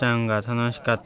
楽しかった？